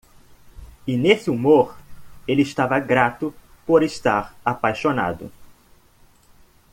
E? nesse humor? ele estava grato por estar apaixonado.